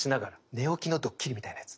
寝起きのドッキリみたいなやつ。